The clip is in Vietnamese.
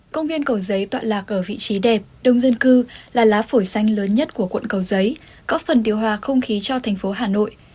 công viên cầu giấy tọa lạc ở vị trí đẹp đông dân cư là lá phổi xanh lớn nhất của quận cầu giấy có phần điều hòa không khí cho thành phố hà nội